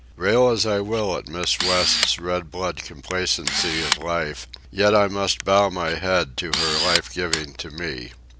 Rail as I will at Miss West's red blood complacency of life, yet I must bow my head to her life giving to me.